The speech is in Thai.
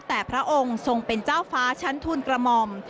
แต่พระองค์ทรงเป็นเจ้าฟ้าชั้นทุนกระหม่อม